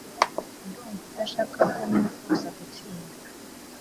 Ndumva udashaka ko nifuza gutsinda